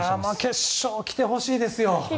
決勝に来てほしいですよ。